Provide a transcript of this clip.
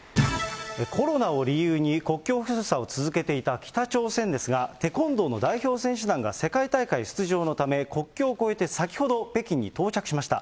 コロナを理由に国境封鎖を続けていた北朝鮮ですが、テコンドーの代表選手団が世界大会出場のため、国境を越えて、先ほど北京に到着しました。